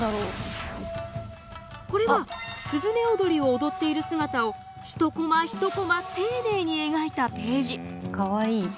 これは雀踊りを踊っている姿を一コマ一コマ丁寧に描いたページ。